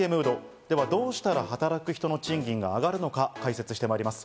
ではどうしたら働く人の賃金が上がるのか解説してまいります。